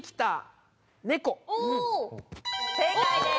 正解です！